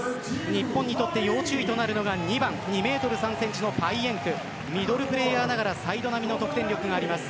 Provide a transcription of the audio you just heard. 日本にとって要注意なのが２メートル３センチのパイエンクミドルプレーヤーながらサイド並みの得点力があります。